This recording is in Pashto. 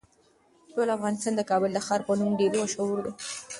ټول افغانستان د کابل د ښار په نوم ډیر مشهور دی.